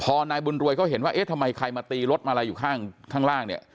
พอนายบุญรวยเขาเห็นว่าเอ๊ะทำไมใครมาตีรถอะไรอยู่ข้างล่างเนี่ย